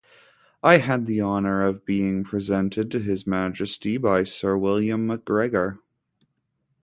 I had the honor of being presented to his Majesty by Sir William Macgregor.